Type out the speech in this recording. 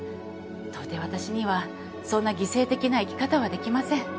到底私にはそんな犠牲的な生き方はできません。